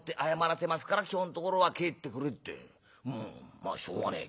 まあしょうがねえ